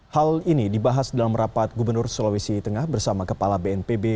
hal ini dibahas dalam rapat gubernur sulawesi tengah bersama kepala bnpb